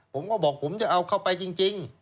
ผมก็บอกผมจะเอาเข้าไปจริง